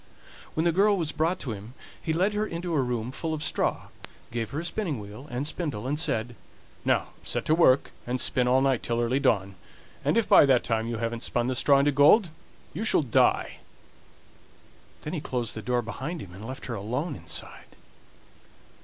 When the girl was brought to him he led her into a room full of straw, gave her a spinning wheel and spindle, and said: "Now set to work and spin all night till early dawn, and if by that time you haven't spun the straw into gold you shall die." Then he closed the door behind him and left her alone inside.